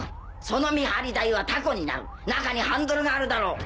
その見張り台はタコになる中にハンドルがあるだろ？